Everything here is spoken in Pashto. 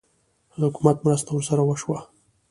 د حکومت مرسته ورسره وشوه؟